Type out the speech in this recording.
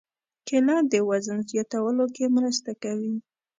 کېله د وزن زیاتولو کې مرسته کوي.